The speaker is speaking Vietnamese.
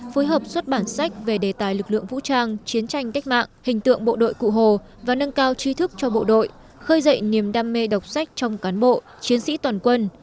phối hợp xuất bản sách về đề tài lực lượng vũ trang chiến tranh cách mạng hình tượng bộ đội cụ hồ và nâng cao trí thức cho bộ đội khơi dậy niềm đam mê đọc sách trong cán bộ chiến sĩ toàn quân